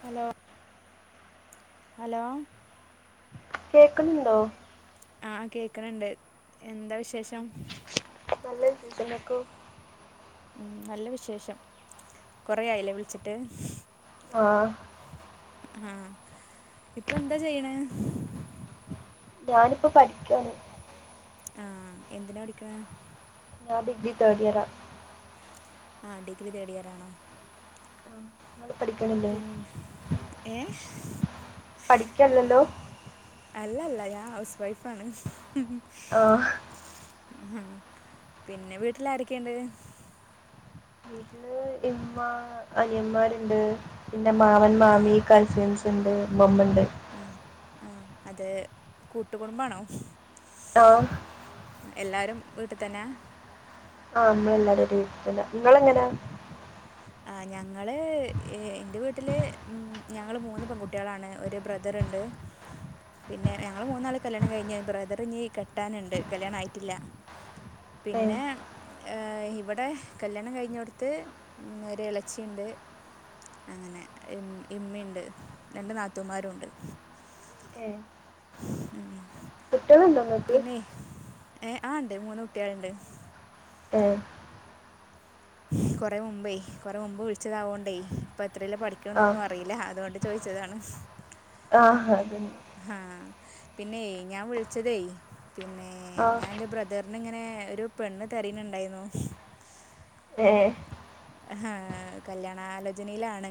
Hello hello കേക്കുന്നുണ്ടോ ആഹ് കേക്കണണ്ട് എന്താ വിശേഷം? നല്ല സൂസനക്കും ഉം നല്ല വിശേഷം കൊറെ ആയില്ലേ വിളിച്ചിട്ട് ആഹ് ആഹ് ഇപ്പൊ എന്താ ചെയ്യണേ? ഞാനിപ്പോ പഠിക്കുവാണ്. ആഹ് എന്തിനാ പഠിക്കണേ? ഞാൻ ഡിഗ്രി തേഡ് ഇയറാ. ആ ഡിഗ്രി തേടിയറാണോ? നിങ്ങൾ പഠിക്കണില്ലേ [unintelligible] ഏ പഠിക്കല്ലല്ലോ അല്ലല്ല ഞാൻ ഹൗസ് വൈഫ് ആണ്. ആഹ് ഹ് പിന്നെ വീട്ടില് ആരൊക്കെയുണ്ട് വീട്ടില് ഇമ്മ അനിയന്മാരുണ്ട് പിന്നെ മാമൻ ആ മാമി കസിൻസ് [unintelligible] മമ്മ ഇണ്ട് ആ ഹ് ആഹ് അതെ കൂട്ടുകുടുംബാണോ ആഹ് എല്ലാരും വീട്ടിൽ തന്നെ ആഹ് അമ്മയെല്ലാവാരും ഒരു വീട്ടിൽ തന്നാ നിങ്ങളെങ്ങനാ ആ ഞങ്ങള് എൻ്റെ വീട്ടില് ഞങ്ങള് മൂന്ന് പെൺകുട്ടികളാണ് ഒരു ബ്രദറുണ്ട് പിന്നെ ഞങ്ങള് മൂന്നാള് കല്യാണം കഴിഞ്ഞ് ബ്രദറി ഇനി കെട്ടാനുണ്ട് കല്യാണം ആയിട്ടില്ല ഏ പിന്നെ ആ ഇവിടെ കല്യാണം കഴിഞ്ഞയോടുത്ത് - പിന്നെ ഒരു ഇളച്ചിയിണ്ട് അങ്ങനെ ഇമ്മയുണ്ട് രണ്ട് നാത്തൂമാരും ഉണ്ട് ഏ ഉം കുട്ടികളുണ്ടോ നിങ്ങക്ക് ഏ ആ ഉണ്ട് മൂന്ന് കുട്ടികളുണ്ട് ആഹ് കൊറെ മുമ്പേ കൊറെ മുമ്പ് വിളിച്ചതാവോണ്ടേ ഇപ്പ- എത്രയിലാ പഠിക്കണേ ആ എന്നൊന്നും അറിയില്ല അതുകൊണ്ട്- ചോദിച്ചതാണ് ആ ഹാ ഹാ പിന്നെയ് ഞാൻ വിളിച്ചതേ പിന്നെ ആ ഞാൻ എൻറെ ബ്രദർ ഇന്നിങ്ങനെ ഒരു പെണ്ണ് തരിനുണ്ടായിന്നു ഏ ആഹ് കല്യാണാലോചനയിലാണ്.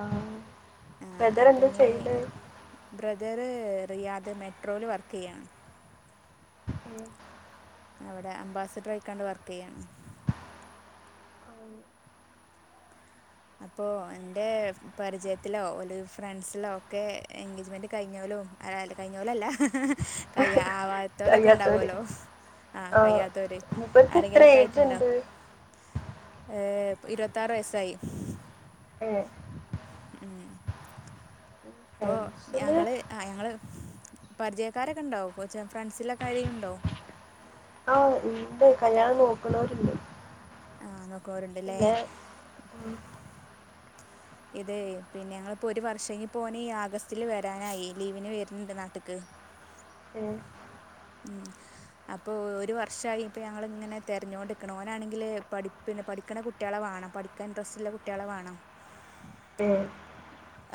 ആ ആ, ബ്രദർ അപ്പം എന്താ ഇനി ചെയ്ന്നേ? ബ്രദറ് റിയാദ് മെട്രോയിൽ വർക്ക് ചെയ്യാണ് അവിടെ അംബാസഡർ ആയിക്കാണ്ട് വർക്ക് ചെയ്യിണ്. അപ്പോൾ എന്റെ പരിചയത്തിലോ ഒരു ഫ്രണ്ട്സിലോ ഒക്കെ എൻഗേജ്മെന്റ് കഴിഞ്ഞോലും ആ കഴിഞ്ഞ പോലുംല്ല ഹാ. ആവായത്തോലൊക്കെ കഴിയാത്തവര് ഉണ്ടാവുല്ലോ ആഹ കയ്യാത്തവര് മൂപ്പർക്ക് എത്ര ആരെങ്കിലൊക്കെ ഏജ് ആയിട്ടുണ്ടോ? ഉണ്ട് ഏ പ് ഇരുപത്താറ് വയസ്സായി. [inaudible] ഏ മ് ഇപ്പോ ഫ്രണ്ട്സില് ഞങ്ങള് ആ ഞങ്ങള് പരിചയക്കാരൊക്കെ ഇണ്ടാവും, കൊച്ച ഫ്രണ്ട്സിലക്കെരിലും ഉണ്ടോ? ആ ഇണ്ട് കല്യാണം നോക്കുന്നവരുണ്ട്. ആഹ് നോ കോരുണ്ടല്ലേ. ഉം, ഇതെ പിന്നെ ഞങ്ങിപ്പോ ഒരു വർഷം ഇനിപ്പോ ഓന് ഈ ആഗസ്റ്റില് വരാനായി ലീവിന് വരുന്നുണ്ട് നാട്ട്ക്ക്. ഏ, അപ്പോ ഒരു വർഷായി ഇപ്പോൾ ഞങ്ങളിങ്ങനെ തെരഞ്ഞോണ്ട്ക്കണ് ഓനാണെങ്കിൽ പഠി പിന്നെ പഠിക്കണ കുട്ടികളെ വാണം പഠിക്കാൻ ഇൻട്രസ്റ്റ്ള്ള കുട്ടികളെ വാണം. മ്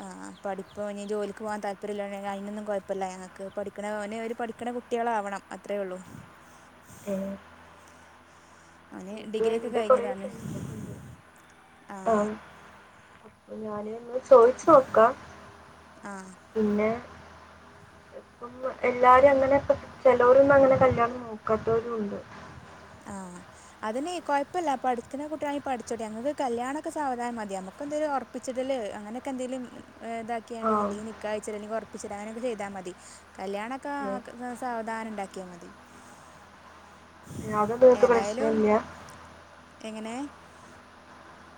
ആഹ് പഠിപ്പ ഇ ജോലിക്ക് പോവാൻ താല്പര്യല്ല [unintelligible] അയിനൊന്നും കൊയപ്പല്ല ഞങ്ങക്ക്, പഠിക്കണ ഓന് ഒരു പഠിക്കണ കുട്ടികളാവണം അത്രേ ഒള്ളൂ. മ് ഓന് എന്റെ കൊറെ ഫ്രണ്ട്‌സ് ഒക്കെ ഇണ്ട്, ആ ആഹ് ഞാന് ഇന്ന് ചോയിച്ച് നോക്കാം, ആഹ് പിന്നെ മ് എല്ലാരും അങ്ങനെക്കെ ചെലൊരൊന്നും അങ്ങനെ കല്യാണം നോക്കാത്തവരുണ്ട്. ആ അതിന് കൊഴപ്പല്ല പഠിക്കുന്ന കുട്ടികാണ പഠിച്ചോട്ടെ അങ്ങക്ക് കല്യാണൊക്കെ സാവധാനം മതി നമ്മുക്ക് എന്തേലും ഒറപ്പിച്ചിടല് അങ്ങനൊക്കെ എന്തേലും ഏ ആ ഇതാക്കിയാണ്ട് ലി നിക്കയച്ച അല്ലെങ്കിൽ ഒറപ്പിച്ചിട അങ്ങനൊക്കെ ചെയ്താ മതി, കല്യാണൊക്കെ ഏ, ക് സാവധാനം ഇണ്ടാക്കിയാ മതി. [unintelligible] നിങ്ങക്ക് ഏതായാലും പ്രശ്നല്ല്യാ എങ്ങനെ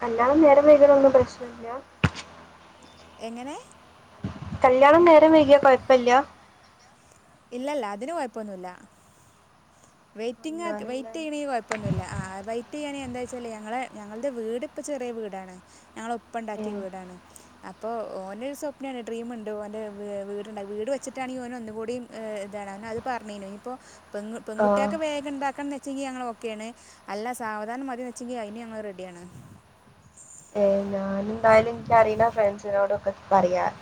നല്ലോണം നേരം വൈകനതൊന്നും പ്രശ്നല്ല. എങ്ങനെ കല്ല്യാണം നേരം വൈകിയാ കൊയപ്പില്ല. ഇല്ലല്ല അതിന് കൊയപ്പൊന്നുല്ല. ആ, വെറ്റിങ്ങൊക്കെ വയിറ്റ് ഞാനെന്താണ് ചെയ്യണെ കൊയപ്പൊന്നുല്ല, ആ വെയിറ്റ് ചെയ്യാനെ എന്താ വെച്ചല് ഞങ്ങളെ ഞങ്ങളുടെ വീട്പ്പ ചെറിയ വീടാണ്, ഞങ്ങള ഉപ്പ ഏ, ഇണ്ടാക്കിയ വീടാണ്, അപ്പോ ഓന് ഒരു സ്വപ്നാണ് ഡ്രീം ഇണ്ട് ഓന്റെ വീ വീട് ഇണ്ടാ വീട് വെച്ചിട്ടാണെങ്കി ഓന് ഒന്നുകൂടി് ഏ ഇതാണ് അവന് അത് പറഞ്ഞനു ഇനിയിപ്പോ പെങ്‌ പെൺകുട് ആ ട്ടയ്ക്ക് വേഗം ഇണ്ടാക്കന്നെ ച്ചെയ്യ ഞങ്ങള് ഓക്കെയാണ്, അല്ല സാവധാനം മതി വെച്ചെങ്കി അയിന് ഞങ്ങൾ റെഡിയാണ്. ഏ ഞാനെന്തായാലും എനിക്കറിയണ ഫ്രണ്ട്സിനോടൊക്കെ പറയാം.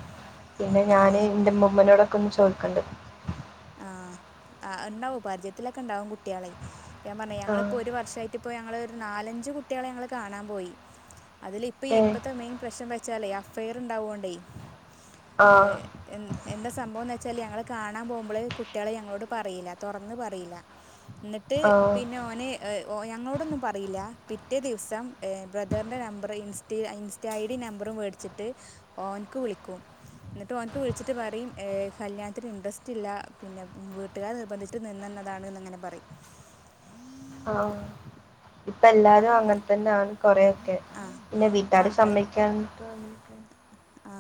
പിന്നെ ആ ഞാന് ന്റെ മുമ്മനോടോ ഒന്ന് ചോയ്ക്കണ്ട് ആ ആ ഇണ്ടാവും പരിചയത്തിലൊക്കെ ഇണ്ടാവും കുട്ടികള്, ഞാൻ പറഞ്ഞ ആഹ് ഞങ്ങളിപ്പോ ഒരു വർഷായിട്ട് ഇപ്പോ ഞങ്ങള് ഒരു നാലഞ്ച് കുട്ടികളെ ഞങ്ങള് കാണാൻ പോയി, അതില് ഇപ്പ ഏഹ് ഇപ്പത്തെ മെയിൻ പ്രശ്നം വെച്ചാലേ അഫയർ ഇണ്ടാവോണ്ടേ ഏ ആഹ് എ എന്താ സംഭവം എന്ന് വെച്ചാല് ഞങ്ങള് കാണാൻ പോവ് മ്പള് കുട്ടികള് ഞങ്ങളോട് പറയില്ല തൊറന്ന് പറയില്ല. എന്നിട്ട് ആഹ് പിന്നെ ഓന് ഓ ഞങ്ങളോടൊന്നും പറയില്ല, പിറ്റേ ദിവസം ഏ ബ്രദറിൻ്റെ number insta insta I D നമ്പറും മേടിച്ചിട്ട് ഓൻക്ക് വിളിക്കും, എന്നിട്ട് ഓനക്ക് വിളിച്ചിട്ട് പറയും ഏ കല്യാണത്തിന് ഇൻട്രസ് സ്റ്റില്ല, പിന്നെ വീട്ടുകാർ നിർബന്ധിച്ചിട്ട് നിന്നന്നതാണ്ന്ന് ഇങ്ങനെ പറയും. ആ ഇപ്പ എല്ലാരും അങ്ങനെ തന്നാണ്. കൊറെ ഒക്കെ ആഹ് പിന്നെ വീട്ട്കാര് സമ്മതിക്കാണ്ട് [unintelligible] ആ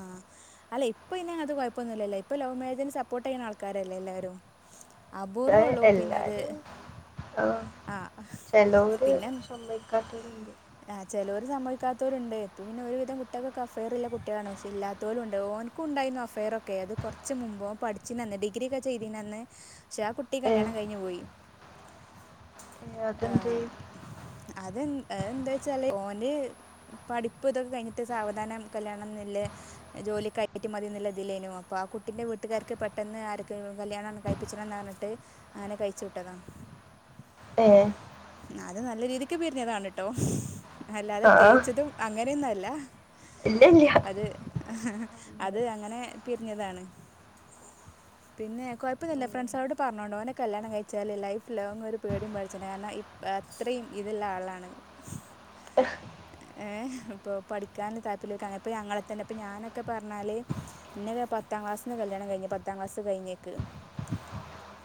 അല്ല ഇപ്പയ്ന് അങ്ങനത്തെ കൊഴപ്പൊന്നുല്ലല്ലോ ഇപ്പ ലവ് മാരേജിന് സപ്പോർട്ട് ചെയ്യുന്ന ആൾക്കാരല്ലേ എല്ലാരും. ആ എല്ലാരും ആ ആഹ് ചെലോര് പിന്നെ സമ്മതിക്കാത്ത ത്തോലൂണ്ട് ഇപ്പം പിന്നെ ഒരുവിധം കുട്ടികൾക്കൊക്കെ അഫെയർ ഇല്ലെ കു പക്ഷെ ഇല്ലാത്തോലൂണ്ട് ഓൻക്കുണ്ടായിരുന്നു അഫയർ ഒക്കെ അത് കുറച്ച് മുൻമ്പ് പഠിച്ചിനന്ന് ഡിഗ്രി ഒക്കെ ചെയ്തിനന്ന് പക്ഷെ ആ കുട്ടി കല്യാണം കഴിഞ്ഞു പോയി അതന്തേ അതെന്താന്നു വെച്ചാല് ഓന് പഠിപ്പ് ഇതൊക്കെ കഴിഞ്ഞട്ട് സാവധാനം കല്യാണം [unintelligible] ജോലിയൊക്കെ [unintelligible] മതിന്നുള്ള ഇതിലേനു അപ്പൊ ആ കുട്ടിന്റെ വീട്ടുകാർക്ക് പെട്ടെന്ന് ആരൊക്കെ കല്യാണം കഴിപ്പിച്ചണം എന്നണ് പറഞ്ഞിട്ട് അങ്ങനെ കഴിച്ചു വിട്ടതാണ് ഏ അത് നല്ല രീതിക്ക് പിരിഞ്ഞതാണ് ട്ടോ അല്ലാതെ ആഹ് തേച്ചതും അങ്ങനെയൊന്നല്ല അല്ല ഇല്ലില്ല. അത് അത് അങ്ങനെ പിരിഞ്ഞതാണ് പിന്നെ കൊഴപ്പന്നില്ല ഫ്രണ്ട്സാളോട് പറഞ്ഞോണ്ട് ഓനെ കല്യാണം കഴിച്ചല് ലൈഫ് ലോങ് ഒരു പേടിയും പേടിച്ചണ്ട കാരണം അത്രയും ഇതുള്ള ആളാണ് ഏ ഇപ്പൊ പഠിക്കാൻ താല്പര്യം [unintelligible] ഇപ്പം ഞങ്ങളെ തന്നെ ഇപ്പം ഞാനൊക്കെ പറഞ്ഞാല് ഇന്നെക്കെ പത്താം ക്ലാസ്സിന്ന് കല്യാണം കഴിഞ്ഞ് പത്താം ക്ലാസ്സ് കഴിഞ്ഞേക്ക്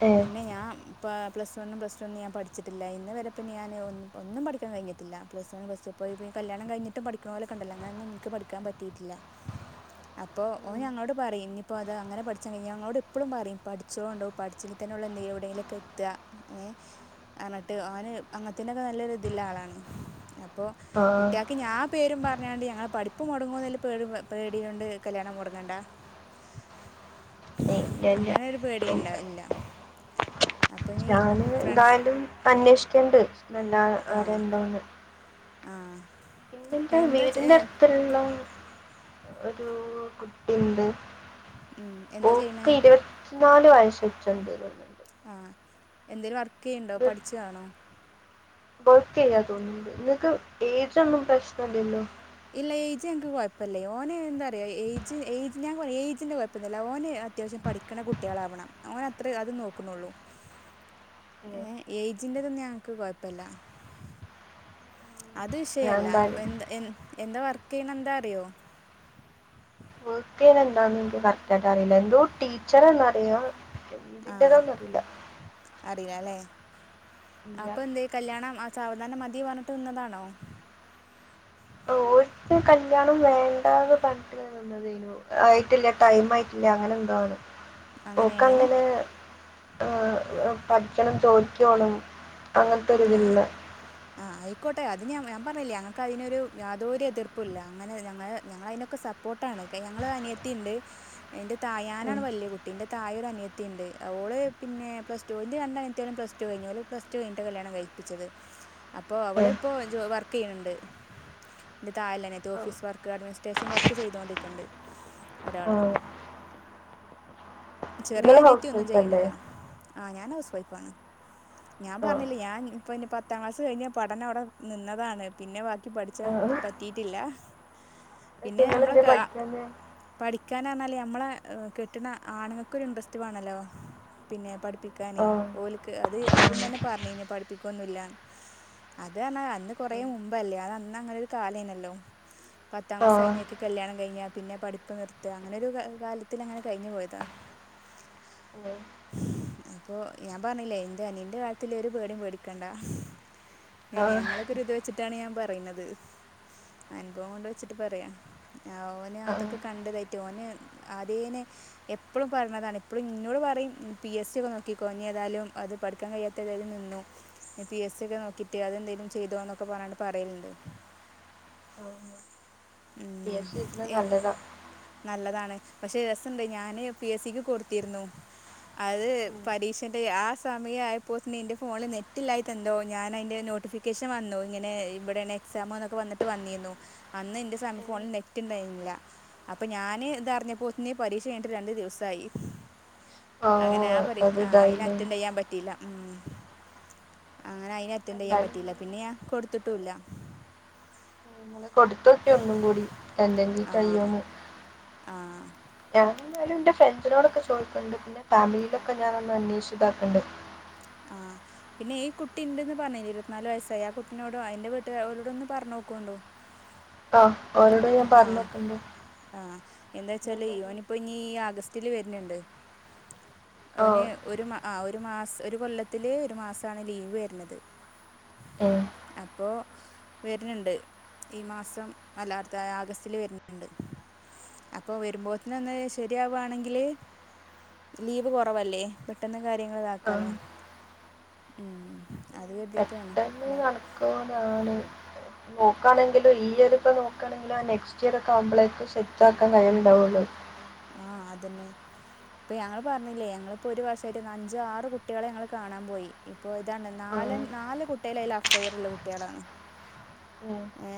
ഏഹ് പിന്നെ ഞാൻ ഇപ്പോ പ്ലസ് വണ്ണും, പ്ല ടു ഒന്ന് ഞാൻ പഠിച്ചിട്ടില്ല, ഇന്ന്‌ വരെ പിന്നെ ഞൻ ഒന്നും പഠിക്കാൻഴിഞ്ഞട്ടില്ല പ്ലസ് വൺ പ്ലസ് ടൂ ഇപ്പോ ഈ കല്യാണം കഴിഞ്ഞിട്ടും പഠിക്കണോലൊക്കെ ഉണ്ടല്ലോ അങ്ങനൊന്നും ഇൻക്ക് പഠിക്കാൻ പ റ്റീട്ടില്ല അപ്പോ ഓ ഞങ്ങളോട് പറയും ഇപ്പോ അത് അങ്ങനെ പഠിച്ച കഴിഞ്ഞ ഞങ്ങളോട് എപ്പളും പറയും പഠിച്ചളോണ്ടു പഠിച്ചെങ്കിതന്നെ ഒള്ളു എന്തെങ്കിലും എവിടെയങ്കിലും ഒക്കെ എത്ത ഏ അർഞ്ഞിട്ട് ഓന് അങ്ങനത്തിനൊക്കെ നല്ല ഒരുതിള്ള ആളാണ് അപ്പൊ ആഹ് കുട്ടികക്ക് ഇനി ആ പേരും വേണ്ടി, പഠിപ്പ് മൊ [unintelligible] പേടി ഒ ണ്ട് കല്യാണം മുടുങ്ങണ്ട ഇല്ലില്ല. അങ്ങനൊരു പേടി ഉം ഇണ്ടാ ല്ല ഞാന് എന്താലും അ [unintelligible] ക്കെണ്ട് നല്ല അരെ എന്തോന്ന് ആ വീടിന്റെ അടുത്തുള്ള ഒരു കുട്ടിണ്ട് ഉം എന്താ ഓക്ക ചെയ്യണെ ഇരുപത്തി നാല് വയസച്ച [unintelligible] ആ എന്തെലു വ ക്കെയുണ്ടോ പഠിച്ചതണോ വർക്ക് ചെയ്യാ തോന്നണ്ട് നിങ്ങക്ക് എജ് ഒന്നും പ്രശ്നല്ലല്ലോ ഇല്ല അജ് ഞങ്ങക്ക് കൊയപ്പില്ലേ ഓന് എന്താ പറയാം ഏജ് ഏജ് ഞാൻ ഏജിന്റെ കുഴപ്പൊന്നില്ല ഓന് അത്യാവശ്യം പഠിക്കണ കുട്ടികളാവണം ഓന അത്ര അത് നോക്കുന്നുള്ളൂ ഏ ഏജന്റ്റത് ഞങ്ങക്ക് കുഴപ്പില്ല അത് ഞാൻ വിഷയല്ല എന്തായാലും എന്താ വർക്ക് ചെയ്യണ എന്താ അറിയോ പഠിഎന്താ എനിക്ക് കറക്റ്റ് ആയിട്ട് അറിയില്ല എന്തോ ടീച്ചർറിയാം ആഹ് എന്തിന്റെതാണെന്ന് അറിയില്ല [unintelligible] ഇല്ല അപ്പൊ എന്തേ കല്യാണം അ സാവധാനം മതി പറഞ്ഞിട്ട് നിന്നതാണോ കല്യാണം വേണ്ട എന്ന് പറഞ്ഞിട്ട് നിന്നതെയ്നു ആയിട്ടില്ല ടൈം ആയിട്ടില്ല അങ്ങനെ എന്തോ ആണ് ഓക്ക് അങ്ങനെയാണ് അങ്ങന് ആ പഠിക്കണം ജോലിക്ക് പോണം അങ്ങനത്തെ ഒരു ഇത് ഇല്ല ക്കോട്ടെ അത് ഞാ ഞാൻ പറഞ്ഞില്ലെ ഞങ്ങക്ക് അതിനൊരു യാതൊരു എതിർപ്പുല്ല അങ്ങനെ ഞങ്ങ ഞങ്ങള അതിനൊക്കെ സപ്പോർട്ടാണ് ഞങ്ങൾ അനിയത്തി ഇണ്ട് എൻ്റെ താഴെ ഞാനാണ് വലിയ കുട്ടി ഇന്റെ താഴെ ഒര് അനിയത്തി ഇണ്ട് ഓള് പിന്നെ പ്ലസ്ടു രണ്ട് അനത്തിയകളും പ്ലസ്ടു കഴിഞ്ഞ് ഓൾ പ്ലസ്ടു കഴിഞ്ഞ് [unintelligible] കല്യാണം കഴപ്പിച്ചത് അപ്പൊ അവളിപ്പോ ജൊ വർക് ചെയ്യണെണ്ട് ന്റെ താഴെള്ള അനിയത്തി ഓഫീസ് വർക്ക് അഡ്മിനിസ്ട്രേഷൻ വർക്ക് ചെയ്തൊണ്ടിരിക്കണെണ്ട് ഒരാള് നിങ്ങൾ ചെറിയ അനിയത്തി ഹൗസ് ഒന്നും വൈഫ് അല്ലേ ചെയ്യുന്നില്ല ആ ഞാൻ ഹൗസ് വൈഫ് ആണ് ഞാൻ ആ പറഞ്ഞില്ലെ ഞാൻ അപ്പ ഇനി പത്താം ക്ലാസ്സ് കഴിഞ്ഞ പഠനം അവിടെ നിന്നതാണ് പിന്നെ ബാക്കി പഠിച്ചാൻ പറ്റിട്ടില്ല നിങ്ങൾ എന്തേ പഠിക്കാഞ്ഞേ [unintelligible] ഞമ്മളെ കെട്ടണ ആണങ്ങക് ക്ക് ഒരു ഇൻട്രസ്റ്റ് വേണല്ലോ പിന്നെ പടി പഠിപ്പിക്കാനെ ആ ഓലി അത് ആദ്യം തന്നെ പറഞ്ഞേന് ഇനി പഠിപ്പിക്കൊന്നുല്ല അത് അന്ന് കുറെ മുമ്പല്ലേ അത് അന്ന് അങ്ങനെ ഒരു കാലേര്നല്ലോ പത്താം ക്ലാസ്സ് കഴിഞ്ഞ്ക്ക് കല്യാണം കഴിഞ്ഞാൽ പിന്നെ പഠിപ്പ് നിർത്തുക അങ്ങനെരു കാലത്തി അങ്ങനെ കഴിഞ്ഞു പോയതാ അപ്പൊ ഞാൻ പറഞ്ഞില്ലേ എന്റെ അനീന്റെ കാലത്തിൽ ഒരു പേടിയും പേടിക്കണ്ടാ ഏ ആ ഞങ്ങളൊക്കെര്ത് ഇത് വെച്ചിട്ടാണ് ഞാൻ പറ പറയിന്നത്. അനുഭവം കൊണ്ട് വെച്ചിട്ട് പറയാ ഓന് ആ അതൊക്കെ കണ്ട് കഴി റ്റോന് അതേനെ എപ്പളും പറഞ്ഞതാണ് ഇപ്പളും ഇന്നോട് പറയും പി എസ് സി ഒക്കെ നോക്കിക്കോ നി ഏതായാലും അത് പഠിക്കാൻ കഴിയാത്തേതായാലും നിന്നു പി എസ് സി ഒക്കെ നോക്കിട്ട് അതെന്നേലും ചെയ്തോന്നൊക്കെ പറഞ്ഞാണ്ട് പറയല്ണ്ട് ആ ആ പി എസ് ഇ എഴുതണ ഏ നല്ലതാ നല്ലതാണ് പക്ഷേ രസണ്ട് ഞാന് പി എസ് സിക്ക് കൊടുത്തിരുന്നു അത് ഉം. പരീക്ഷെന്റെ ആ സമയം ആയപ്പോ തന്നെ എന്റെ ഫോണിൽ നെറ്റ് ഇല്ലായിട്ടെന്തോ ഞാൻ അയിന്റെ നോട്ടിഫിക്കേഷൻ വന്നു ഇങ്ങനെ ഇവിടെണ് എക്സാമ് എന്നൊക്കെ വന്നിട്ട് വന്നിരുന്നു അന്ന് ന്റെ സ ഫോണിൽ നെറ്റ് ഇണ്ടായിരുന്നില്ല അപ്പ ഞാന് ഇതറിഞ്ഞപ്പോലതന്നെ പരീക്ഷ കഴിഞ്ഞട്ട് രണ്ട് ദിവസ സൈഫ് അങ്ങനെ ആ പരീഷ് അത് ആ അയിന് ഇതായില്ലേ അറ്റൻഡയ്യാൻ പറ്റില്ല ഉം അങ്ങനെ അയിനെ റ്റൻഡ്ചെയ്യാൻ എന്തായാലും പറ്റീല്ല പിന്നെ ഞാ കൊടു ഊല കൊടുത്തൊട്ടി ഒന്നും കൂടി എന്തെങ്കി ആ കയ്യോന്ന് ആ എന്തായാലും എന്റെ ഫ്രണ്ട്സിനോടൊക്കെ ചോദിക്ക്ണ്ട് പിന്നെ ഫാമിലീലൊക്കെ ഞാാനൊന്ന് അന്വേഷിച്ച്താക്ക്ണ്ട് ആഹ പിന്നെ ഈ കുട്ടി ഇണ്ട്ന്ന് പറഞ്ഞിലെ ഇരുപത്തിനാല് വയസ്സായി ആ കുട്ടിനോട അതിന്റെ വീട്ടുകാരരോട ഒന്ന് പറഞ്ഞു നോക്കൂണ്ടോ ആ അവരോട് ഞാൻ ആ പറഞ്ഞു നോക്കണ്ട് ആ എന്താച്ചാല് പിന്നെന്തായാലും ഇവനിപ്പോ ഇനി ആഗസ്റ്റ് റ്റില് വരന്ണ്ട് ആ ഓന് ഒര് മാ ഒര് മാസ് ഒര് കൊല്ലത്തില് ഒര് മാസാണ് ലീവെര്ന്നത്. ഏ അപ്പൊ വെര്ന്ണ്ട്. ഈ മാസം ദാ ആഗസ്തില് വെര്ന്ണ്ട്. അപ്പോ വരുമ്പോത്തിന് ഒന്ന് ശരിയാവാണെങ്കില് ലീവ് കൊറവല്ലേ പെ കാര്യങ്ങൾ ആ ഇതാക്കാലോ ഉം അത് പെട്ടെന്ന് കരുതിയിട്ടാണ് നടക്കൊതാണ് മോക്കാണെങ്കിലും ഈ ഇയർ ഇപ്പോ നോക്കാണെങ്കിൽ ആ നെക്സ്റ്റ് ഇയർ ഒക്കെ ആമ്പളേക്ക ശെരിയാ [unintelligible] ന്നെ ഇപ്പൊ ഞങ്ങള് പറഞ്ഞില്ലേ ഞങ്ങളിപ്പോ ഒരു വർഷായിട്ട് അഞ്ചോ ആറ് കുട്ടികളെ ഞങ്ങള് കാണാൻ പോയി ഇപ്പോ ഇതാണ് ആ നാല് നാല് കുട്ടികള് അയ്ല് അഫയറൊള്ള കുട്ടികളാണ്. ഉം. ഏ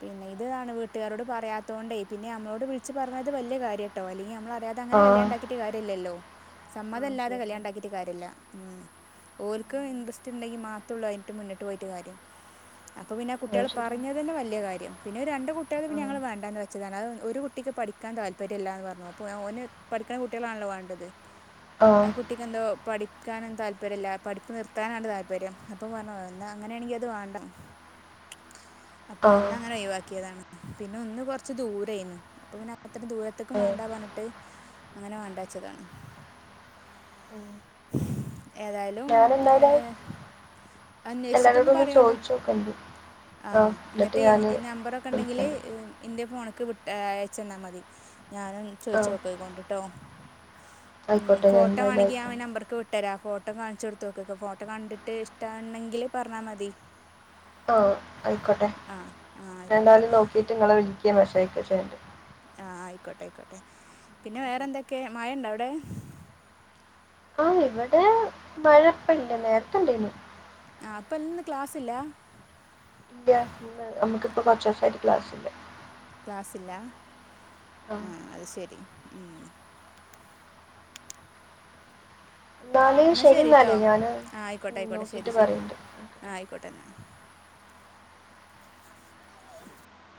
പിന്നെ ഇത് ആണ് വീട്ടുകാരോട് പറയാത്തൊണ്ടേ പിന്നെ നമ്മളോട് വി ച്ച് പറഞ്ഞത് വല്യ കാര്യട്ടോ അല്ലെങ്കി മ്മള് അറിയ ണ്ട് അതങ്ങനെ ആ കല്യാണ്ടാക്കിട്ട് കാര്യല്ലല്ലോ ആ സമ്മതല്ലാതെ ശരിയാണ് കല്യാണ്ടാക്കിട്ട് കാര്യല്ല ഓര്ക്കും ഉം. ഇന്ട്രസ്റ്റ് ണ്ടെങ്കി മാത്രേള്ളൂ അതിട്ട് മുന്നിട്ട് പോയിട്ട് കാര്യം അപ്പൊ പിന്നാ അത് കുട്ട്യള് ശരിയാണ് പറഞ്ഞത് തന്നെ വല്യ കാര്യം. പിന്നെ രണ്ട് കുട്ടികള് പിന്നെ ഞങ്ങൾ ആ വേണ്ടന്ന് വെച്ചതാണ് [inaudible] കുട്ടിക്ക് പഠിക്കാൻ താല്പര്യല്ലാന്ന് പറഞ്ഞു അപ്പോ ഓന് പഠിക്കണ കുട്ട്യളെയാണല്ലോ വേണ്ടത് ആ കുട്ടിക്കന്ത പഠിക്കാനും താല്പര്യമല്ല പഠിപ്പ് നിർത്താനാണ് താല്പര്യം അപ്പം പറഞ്ഞു അങ്ങനെയാണിക്ക അത് വേണ്ട അപ്പൊ ആ ആ ഒന്ന് അങ്ങനെ ഒഴിവാക്കിയതാണ് പിന്നെ ഒന്ന് കൊറച്ച് ദൂരയ അപ്പൊ പിന്നെ അത്ര ദൂരത്തേക്കും ഏ വേണ്ട പറഞ്ഞിട്ട് അങ്ങനെ വേണ്ടച്ചതാണ് ഉം. ഏതായാലും ഞാൻ എന്തായാലും അന്വേഷിച്ചിട്ടൊന്ന് എല്ലാവരോടും ഒന്ന് പറയണ്ടോ ചോദിച്ചു നോക്കണ്ട് ആ എന്നിട്ട് ഈ നമ്പറൊക്കെ ഉണ്ടെങ്കിൽ വിളിക്കണ്ട് ഇൻ്റെ ഫോണൊക്കെ ക്ക് വിട്ട അയച്ചെന്നാൽ മതി ഞാനും ആ ചോദിച്ച നോക്കയി കൊണ്ടിട്ട് ട്ടോ ആയിക്കോട്ടെ ഞ എന്തായ ആയിക്കണ്ട് വിട്ടരാ ഫോട്ടോ കാണിച്ചു കൊടുത്ത നോക്ക ഫോട്ടോ കണ്ടിട്ട് ഇഷ്ടണ്ടെങ്കിൽ പറഞ്ഞാ മതി ആഹ ആയിക്കോട്ടെ ആ ആ ആയിക്കോട്ടെ എന്തായാലും നോക്കിട്ട് നിങ്ങളെ വിളിക്ക മെസ്സേജ് അയക്കോ ചെയ്യാം ആഹ ആയിക്കോട്ടെ ആയിക്കോട്ടെ പിന്നെ വേറെ ശരി എന്തൊക്കെ മഴണ്ടോ അവിടെ ആ ഇവിടെ മഴപ്പ ഇല്ല നേരത്തണ്ടേന് ആ അപ്പല്ലന്ന് ക്ലാസില്ല ഇല്ല നമുക്കിപ്പ കൊറച്ച ദിവസായിട്ട് ക്ലാസ്സില്ല ക്ലാസില്ല ആ അത് ശരി എന്നാല് എന്നാൽ ശരി ശരിട്ടോ എന്നാല് ഞാൻ ആ ആയിക്കോട്ടെ ആയിക്കോട്ടെ ശരി നോക്കിയിട്ട് ശരി പറയുന്നുണ്ട് ആ ആയിക്കോട്ടെ എന്നാ